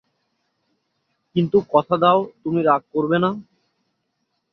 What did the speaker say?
কিন্তু কথা দাও তুমি রাগ করবে না?